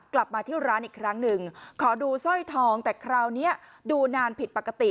กลับมาที่ร้านอีกครั้งหนึ่งขอดูสร้อยทองแต่คราวนี้ดูนานผิดปกติ